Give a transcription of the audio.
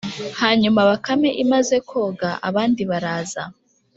hanyuma bakame imaze koga, abandi baraza